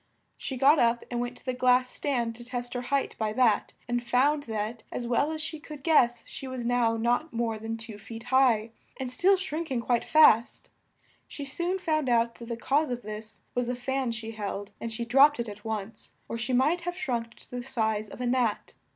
She got up and went to the glass stand to test her height by that, and found that as well as she could guess she was now not more than two feet high, and still shrink ing quite fast. She soon found out that the cause of this, was the fan she held and she dropped it at once, or she might have shrunk to the size of a gnat.